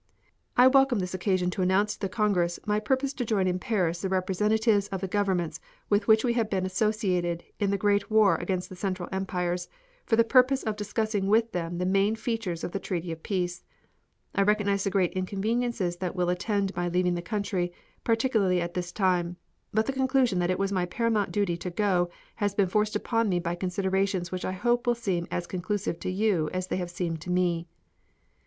"I welcome this occasion to announce to the Congress my purpose to join in Paris the representatives of the governments with which we have been associated in the war against the Central Empires for the purpose of discussing with them the main features of the treaty of peace. I realize the great inconveniences that will attend my leaving the country, particularly at this time, but the conclusion that it was my paramount duty to go has been forced upon me by considerations which I hope will seem as conclusive to you as they have seemed to me.